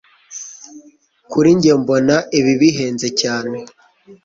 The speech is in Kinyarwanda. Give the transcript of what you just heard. kuri njye mbona ibi bihenze cyane